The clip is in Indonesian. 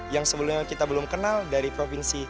yang sebelumnya kita belum kenal dari provinsi